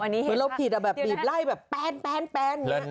เมื่อเราผิดอะแบบปีบไล่แบบแป้น